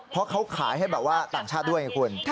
เพราะเขาขายให้แบบว่าต่างชาติด้วยไงคุณ